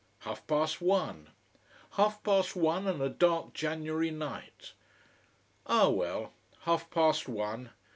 Half past one! Half past one, and a dark January night. Ah, well! Half past one!